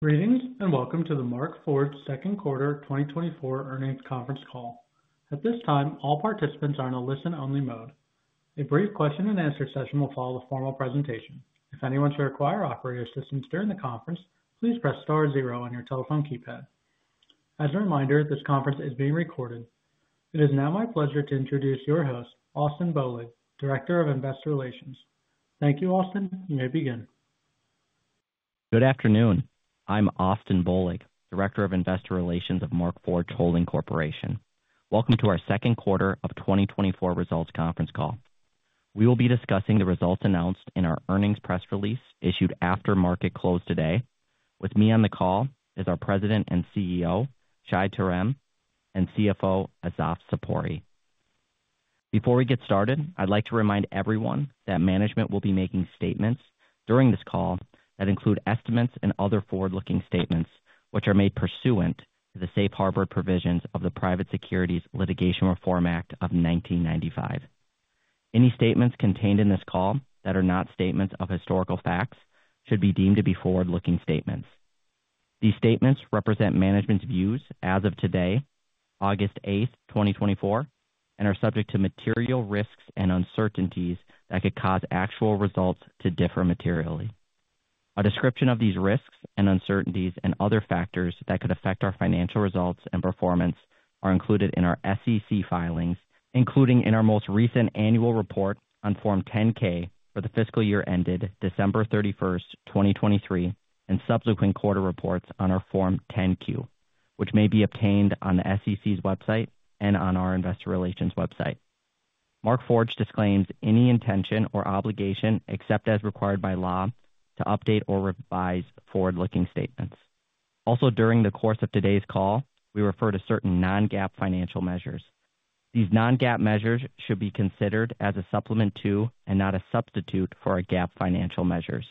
Greetings, and welcome to the Markforged second quarter 2024 earnings conference call. At this time, all participants are in a listen-only mode. A brief question and answer session will follow the formal presentation. If anyone should require operator assistance during the conference, please press star zero on your telephone keypad. As a reminder, this conference is being recorded. It is now my pleasure to introduce your host, Austin Bohlig, Director of Investor Relations. Thank you, Austin. You may begin. Good afternoon. I'm Austin Bohlig, Director of Investor Relations of Markforged Holding Corporation. Welcome to our second quarter of 2024 results conference call. We will be discussing the results announced in our earnings press release, issued after market close today. With me on the call is our President and CEO, Shai Terem, and CFO, Assaf Zipori. Before we get started, I'd like to remind everyone that management will be making statements during this call that include estimates and other forward-looking statements, which are made pursuant to the safe harbor provisions of the Private Securities Litigation Reform Act of 1995. Any statements contained in this call that are not statements of historical facts should be deemed to be forward-looking statements. These statements represent management's views as of today, August 8, 2024, and are subject to material risks and uncertainties that could cause actual results to differ materially. A description of these risks and uncertainties and other factors that could affect our financial results and performance are included in our SEC filings, including in our most recent annual report on Form 10-K for the fiscal year ended December 31, 2023, and subsequent quarter reports on our Form 10-Q, which may be obtained on the SEC's website and on our investor relations website. Markforged disclaims any intention or obligation, except as required by law, to update or revise forward-looking statements. Also, during the course of today's call, we refer to certain non-GAAP financial measures. These non-GAAP measures should be considered as a supplement to and not a substitute for our GAAP financial measures.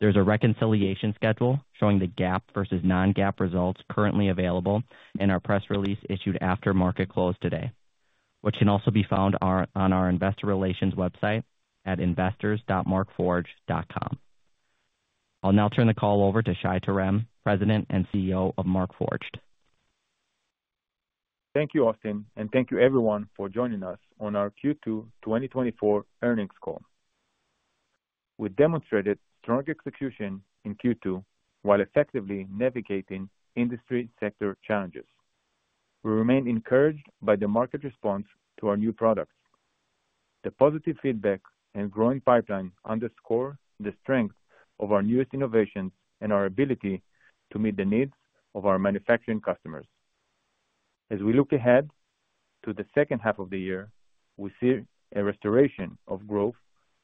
There's a reconciliation schedule showing the GAAP versus non-GAAP results currently available in our press release issued after market close today, which can also be found on our investor relations website at investors.markforged.com. I'll now turn the call over to Shai Terem, President and CEO of Markforged. Thank you, Austin, and thank you everyone for joining us on our Q2 2024 earnings call. We demonstrated strong execution in Q2 while effectively navigating industry sector challenges. We remain encouraged by the market response to our new products. The positive feedback and growing pipeline underscore the strength of our newest innovations and our ability to meet the needs of our manufacturing customers. As we look ahead to the second half of the year, we see a restoration of growth,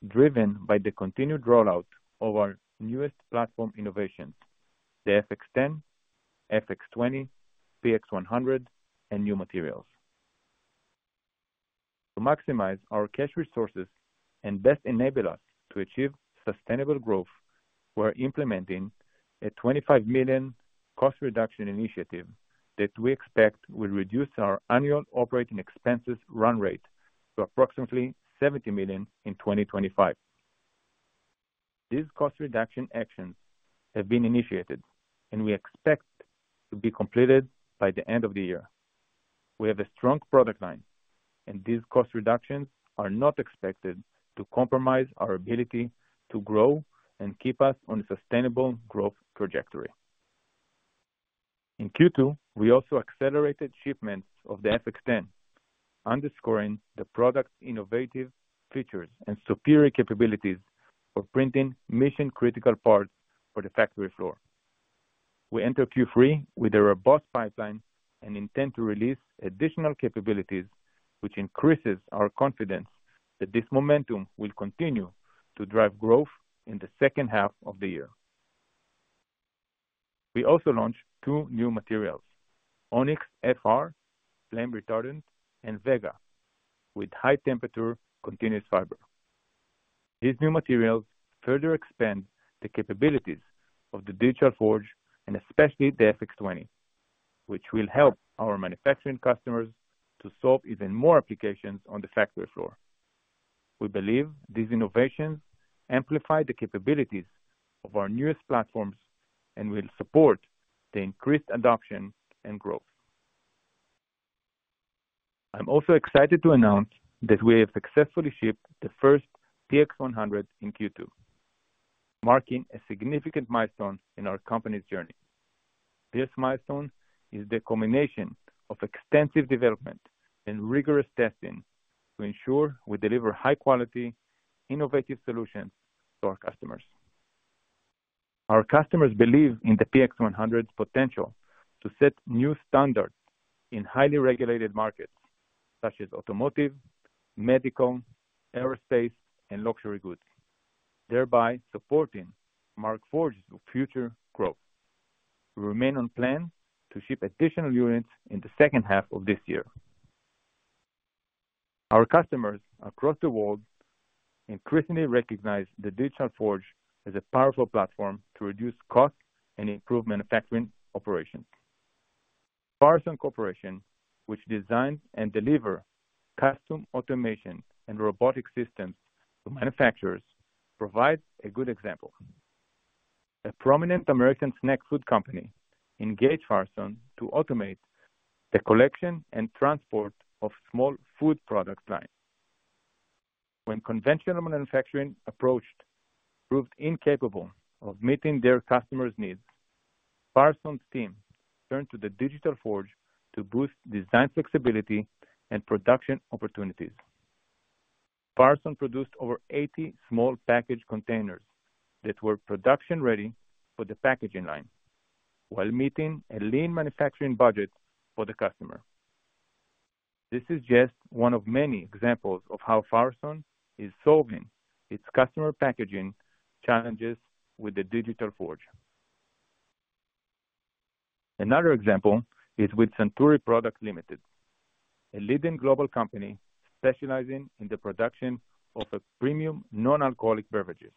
driven by the continued rollout of our newest platform innovations, the FX10, FX20, PX100, and new materials. To maximize our cash resources and best enable us to achieve sustainable growth, we're implementing a $25 million cost reduction initiative that we expect will reduce our annual operating expenses run rate to approximately $70 million in 2025. These cost reduction actions have been initiated, and we expect to be completed by the end of the year. We have a strong product line, and these cost reductions are not expected to compromise our ability to grow and keep us on a sustainable growth trajectory. In Q2, we also accelerated shipments of the FX10, underscoring the product's innovative features and superior capabilities for printing mission-critical parts for the factory floor. We enter Q3 with a robust pipeline and intend to release additional capabilities, which increases our confidence that this momentum will continue to drive growth in the second half of the year. We also launched two new materials, Onyx FR, flame retardant, and Vega, with high temperature continuous fiber. These new materials further expand the capabilities of the Digital Forge, and especially the FX20, which will help our manufacturing customers to solve even more applications on the factory floor. We believe these innovations amplify the capabilities of our newest platforms and will support the increased adoption and growth. I'm also excited to announce that we have successfully shipped the first PX100 in Q2, marking a significant milestone in our company's journey. This milestone is the culmination of extensive development and rigorous testing to ensure we deliver high-quality, innovative solutions to our customers. Our customers believe in the PX100's potential to set new standards in highly regulated markets such as automotive, medical, aerospace, and luxury goods, thereby supporting Markforged's future growth. We remain on plan to ship additional units in the second half of this year. Our customers across the world increasingly recognize the Digital Forge as a powerful platform to reduce costs and improve manufacturing operations. Farason Corporation, which designs and delivers custom automation and robotic systems to manufacturers, provides a good example. A prominent American snack food company engaged Farason to automate the collection and transport of small food product lines. When conventional manufacturing approaches proved incapable of meeting their customer's needs, Farason's team turned to the Digital Forge to boost design flexibility and production opportunities. Farason produced over 80 small packaging containers that were production-ready for the packaging line, while meeting a lean manufacturing budget for the customer. This is just one of many examples of how Farason is solving its customer packaging challenges with the Digital Forge. Another example is with Suntory Products Limited, a leading global company specializing in the production of a premium non-alcoholic beverages,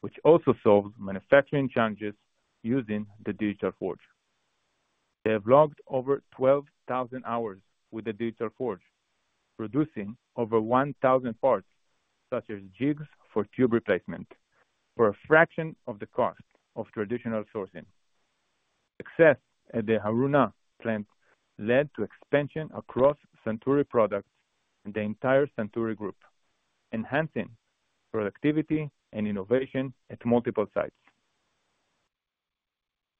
which also solves manufacturing challenges using the Digital Forge. They have logged over 12,000 hours with the Digital Forge, producing over 1,000 parts, such as jigs for tube replacement, for a fraction of the cost of traditional sourcing. Success at the Haruna Plant led to expansion across Suntory products and the entire Suntory Group, enhancing productivity and innovation at multiple sites.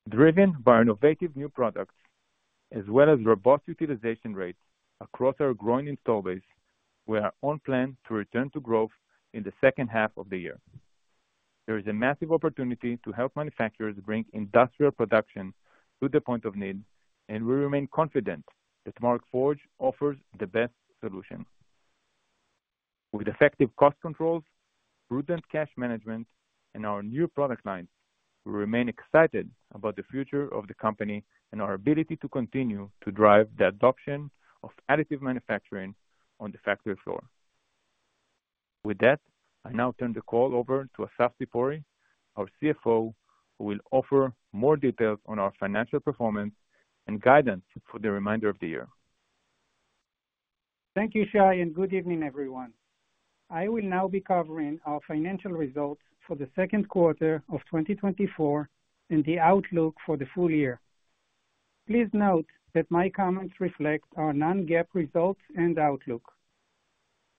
Driven by innovative new products, as well as robust utilization rates across our growing install base, we are on plan to return to growth in the second half of the year. There is a massive opportunity to help manufacturers bring industrial production to the point of need, and we remain confident that Markforged offers the best solution. With effective cost controls, prudent cash management, and our new product lines, we remain excited about the future of the company and our ability to continue to drive the adoption of additive manufacturing on the factory floor. With that, I now turn the call over to Assaf Zipori, our CFO, who will offer more details on our financial performance and guidance for the remainder of the year. Thank you, Shai, and good evening, everyone. I will now be covering our financial results for the second quarter of 2024 and the outlook for the full year. Please note that my comments reflect our non-GAAP results and outlook.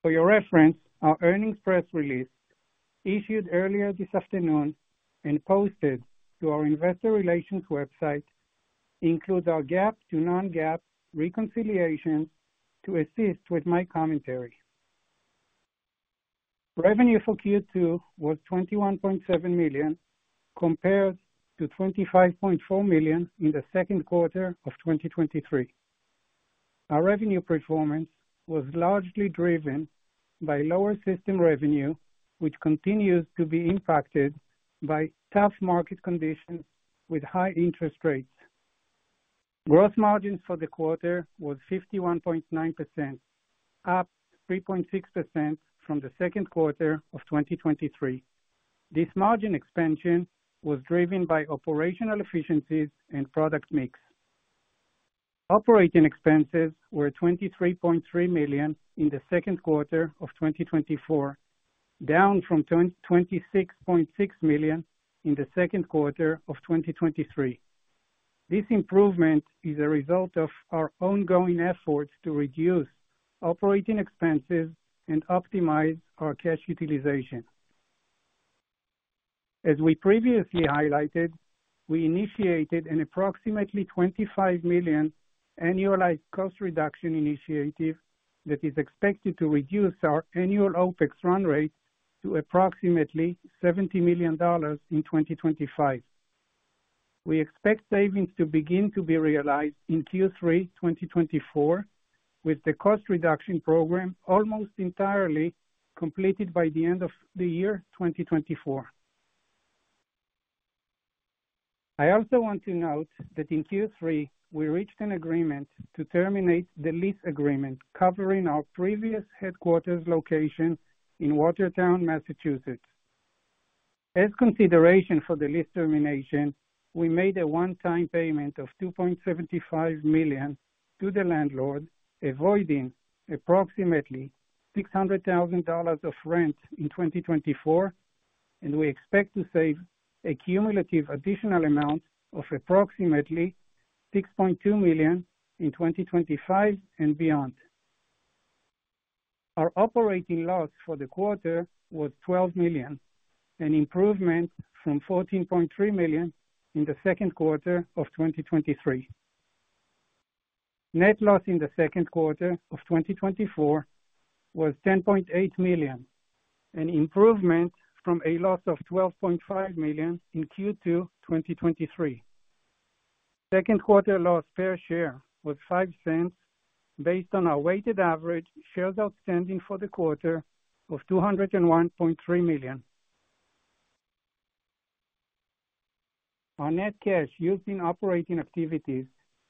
For your reference, our earnings press release, issued earlier this afternoon and posted to our investor relations website, includes our GAAP to non-GAAP reconciliation to assist with my commentary. Revenue for Q2 was $21.7 million, compared to $25.4 million in the second quarter of 2023. Our revenue performance was largely driven by lower system revenue, which continues to be impacted by tough market conditions with high interest rates. Gross margin for the quarter was 51.9%, up 3.6% from the second quarter of 2023. This margin expansion was driven by operational efficiencies and product mix. Operating expenses were $23.3 million in the second quarter of 2024, down from $26.6 million in the second quarter of 2023. This improvement is a result of our ongoing efforts to reduce operating expenses and optimize our cash utilization. As we previously highlighted, we initiated an approximately $25 million annualized cost reduction initiative that is expected to reduce our annual OpEx run rate to approximately $70 million in 2025. We expect savings to begin to be realized in Q3 2024, with the cost reduction program almost entirely completed by the end of the year 2024. I also want to note that in Q3, we reached an agreement to terminate the lease agreement covering our previous headquarters location in Watertown, Massachusetts. As consideration for the lease termination, we made a one-time payment of $2.75 million to the landlord, avoiding approximately $600,000 of rent in 2024, and we expect to save a cumulative additional amount of approximately $6.2 million in 2025 and beyond. Our operating loss for the quarter was $12 million, an improvement from $14.3 million in the second quarter of 2023. Net loss in the second quarter of 2024 was $10.8 million, an improvement from a loss of $12.5 million in Q2 2023. Second quarter loss per share was $0.05, based on our weighted average shares outstanding for the quarter of 201.3 million. Our net cash used in operating activities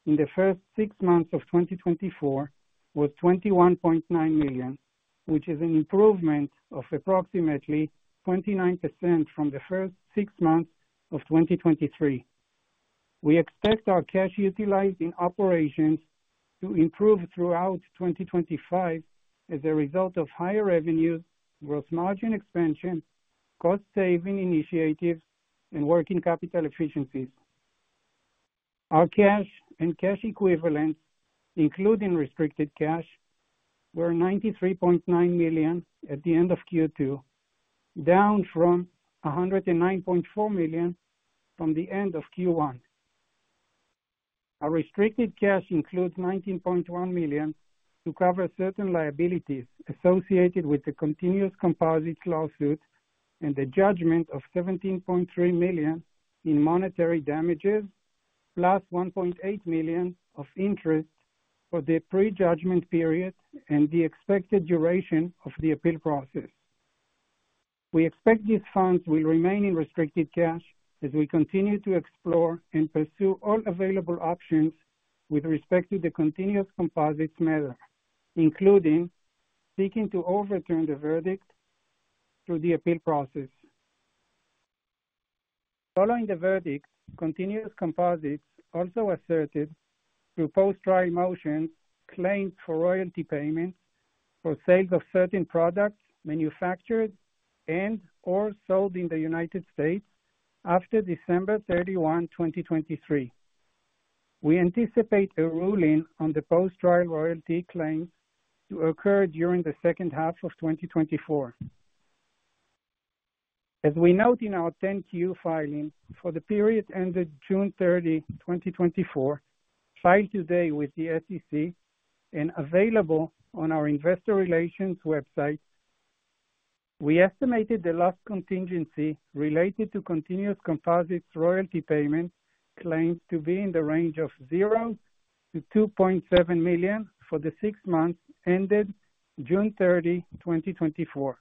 in the first six months of 2024 was $21.9 million. which is an improvement of approximately 29% from the first six months of 2023. We expect our cash utilized in operations to improve throughout 2025 as a result of higher revenues, gross margin expansion, cost saving initiatives, and working capital efficiencies. Our cash and cash equivalents, including restricted cash, were $93.9 million at the end of Q2, down from $109.4 million from the end of Q1. Our restricted cash includes $19.1 million to cover certain liabilities associated with the Continuous Composites lawsuit and a judgment of $17.3 million in monetary damages, +$1.8 million of interest for the prejudgment period and the expected duration of the appeal process. We expect these funds will remain in restricted cash as we continue to explore and pursue all available options with respect to the Continuous Composites matter, including seeking to overturn the verdict through the appeal process. Following the verdict, Continuous Composites also asserted, through post-trial motion, claim for royalty payments for sale of certain products manufactured and or sold in the United States after December 31, 2023. We anticipate a ruling on the post-trial royalty claim to occur during the second half of 2024. As we note in our 10-Q filing for the period ended June 30, 2024, filed today with the SEC, and available on our investor relations website, we estimated the loss contingency related to Continuous Composites royalty payment claimed to be in the range of $0-$2.7 million for the six months ended June 30, 2024.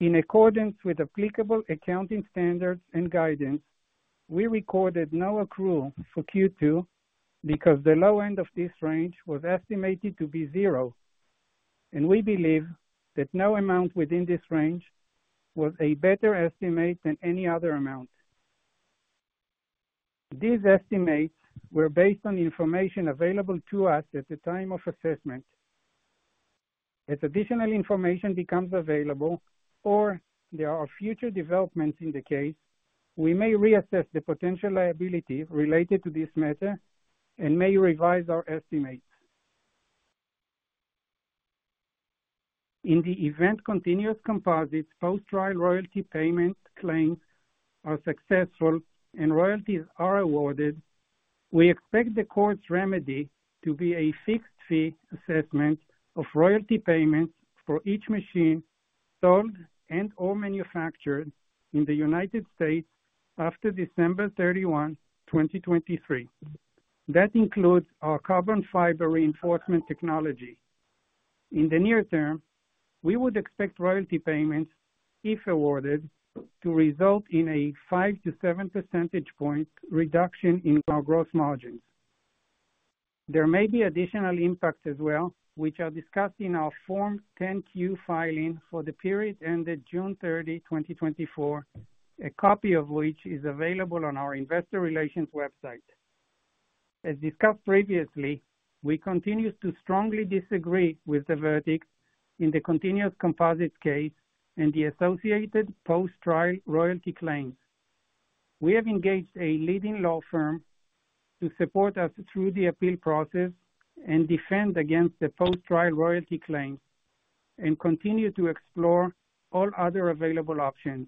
In accordance with applicable accounting standards and guidance, we recorded no accrual for Q2 because the low end of this range was estimated to be zero, and we believe that no amount within this range was a better estimate than any other amount. These estimates were based on information available to us at the time of assessment. As additional information becomes available, or there are future developments in the case, we may reassess the potential liability related to this matter and may revise our estimates. In the event Continuous Composites post-trial royalty payment claims are successful and royalties are awarded, we expect the court's remedy to be a fixed fee assessment of royalty payments for each machine sold and or manufactured in the United States after December 31, 2023. That includes our carbon fiber reinforcement technology. In the near term, we would expect royalty payments, if awarded, to result in a 5%-7% point reduction in our gross margins. There may be additional impacts as well, which are discussed in our Form 10-Q filing for the period ended June 30, 2024, a copy of which is available on our investor relations website. As discussed previously, we continue to strongly disagree with the verdict in the Continuous Composites case and the associated post-trial royalty claims. We have engaged a leading law firm to support us through the appeal process and defend against the post-trial royalty claims, and continue to explore all other available options.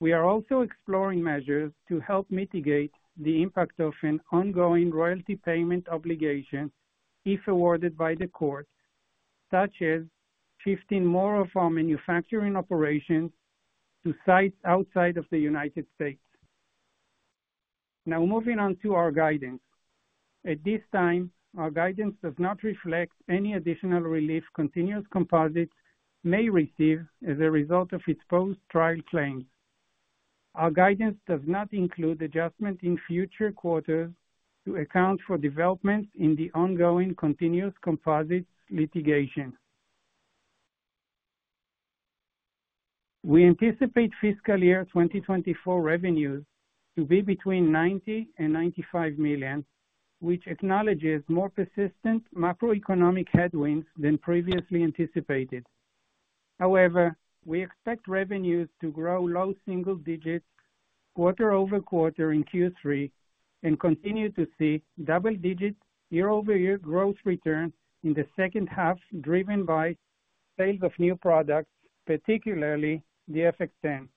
We are also exploring measures to help mitigate the impact of an ongoing royalty payment obligation, if awarded by the court, such as shifting more of our manufacturing operations to sites outside of the United States. Now moving on to our guidance. At this time, our guidance does not reflect any additional relief Continuous Composites may receive as a result of its post-trial claim. Our guidance does not include adjustment in future quarters to account for developments in the ongoing Continuous Composites litigation. We anticipate fiscal year 2024 revenues to be between $90 million-$95 million, which acknowledges more persistent macroeconomic headwinds than previously anticipated. However, we expect revenues to grow low single digits quarter over quarter in Q3 and continue to see double digits year-over-year growth return in the second half, driven by sales of new products, particularly the FX10.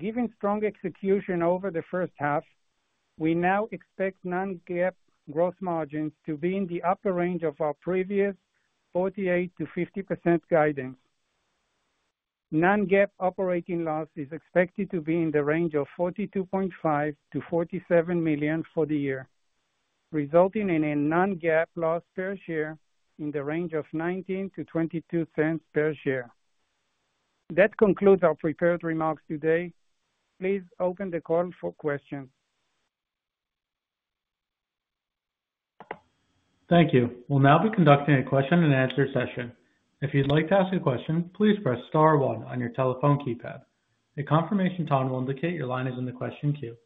Given strong execution over the first half, we now expect non-GAAP gross margins to be in the upper range of our previous 48%-50% guidance. Non-GAAP operating loss is expected to be in the range of $42.5 million-$47 million for the year, resulting in a non-GAAP loss per share in the range of $0.19-$0.22 per share. That concludes our prepared remarks today. Please open the call for questions. Thank you. We'll now be conducting a question and answer session. If you'd like to ask a question, please press star one on your telephone keypad. A confirmation tone will indicate your line is in the question queue.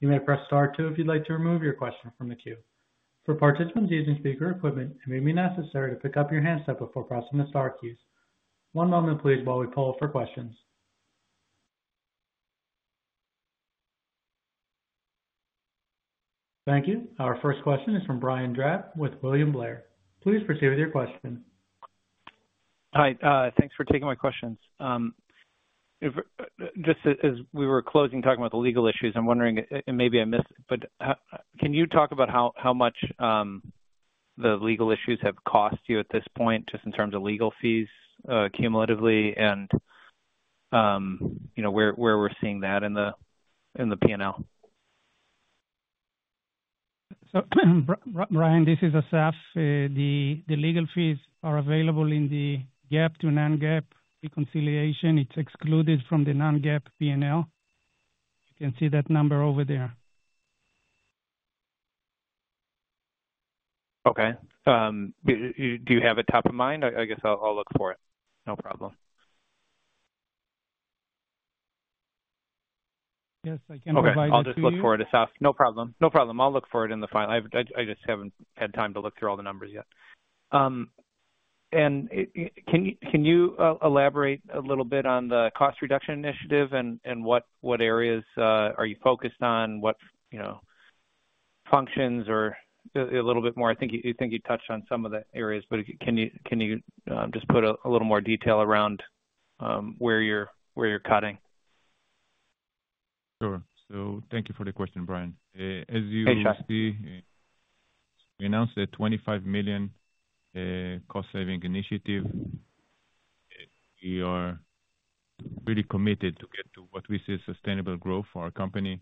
You may press star two if you'd like to remove your question from the queue. For participants using speaker equipment, it may be necessary to pick up your handset before pressing the star keys. One moment, please, while we poll for questions. Thank you. Our first question is from Brian Drab with William Blair. Please proceed with your question. Hi, thanks for taking my questions. If just as we were closing, talking about the legal issues, I'm wondering, maybe I missed, but can you talk about how much the legal issues have cost you at this point, just in terms of legal fees, cumulatively, you know, where we're seeing that in the P&L? So, Brian, this is Assaf. The legal fees are available in the GAAP to non-GAAP reconciliation. It's excluded from the non-GAAP P&L. You can see that number over there. Okay. Do you have it top of mind? I guess I'll look for it. No problem. Yes, I can provide it to you. Okay. I'll just look for it, Assaf. No problem. No problem. I'll look for it in the file. I just haven't had time to look through all the numbers yet. And can you elaborate a little bit on the cost reduction initiative and what areas are you focused on? What, you know, functions or a little bit more. I think you touched on some of the areas, but can you just put a little more detail around where you're cutting? Sure. So thank you for the question, Brian. Thanks, Shai. As you see, we announced a $25 million cost saving initiative. We are really committed to get to what we see as sustainable growth for our company.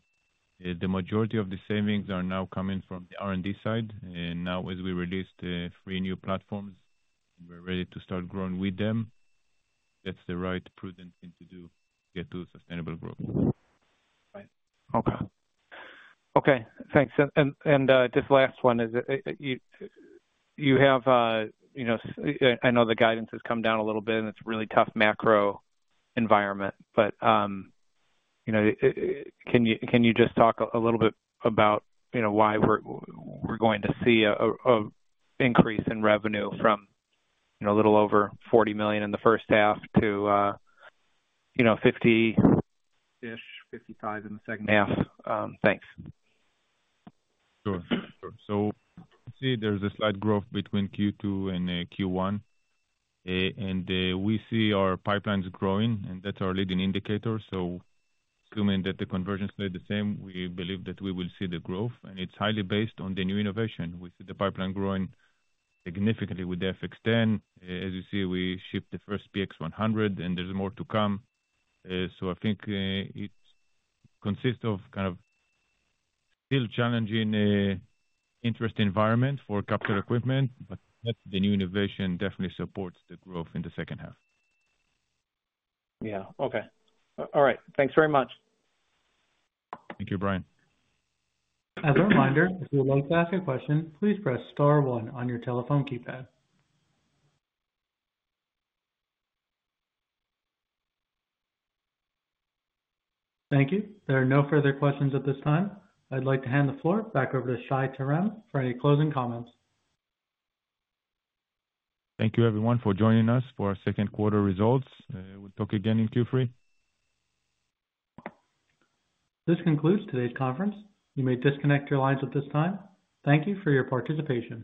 The majority of the savings are now coming from the R&D side, and now as we release the three new platforms, we're ready to start growing with them. That's the right, prudent thing to do to get to sustainable growth. Right. Okay. Okay, thanks. Just last one is, you have, you know, I know the guidance has come down a little bit, and it's really tough macro environment. But, you know, can you just talk a little bit about, you know, why we're going to see a increase in revenue from, you know, a little over $40 million in the first half to, you know, $50-ish-$55 million in the second half? Thanks. Sure. So see, there's a slight growth between Q2 and Q1. And we see our pipelines growing, and that's our leading indicator, so assuming that the conversions stay the same, we believe that we will see the growth, and it's highly based on the new innovation. We see the pipeline growing significantly with the FX10. As you see, we shipped the first PX100, and there's more to come. So I think it consists of kind of still challenging interest environment for capital equipment, but the new innovation definitely supports the growth in the second half. Yeah. Okay. All right. Thanks very much. Thank you, Brian. As a reminder, if you'd like to ask a question, please press star one on your telephone keypad. Thank you. There are no further questions at this time. I'd like to hand the floor back over to Shai Terem for any closing comments. Thank you, everyone, for joining us for our second quarter results. We'll talk again in Q3. This concludes today's conference. You may disconnect your lines at this time. Thank you for your participation.